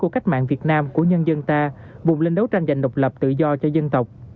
của cách mạng việt nam của nhân dân ta vùng lên đấu tranh dành độc lập tự do cho dân tộc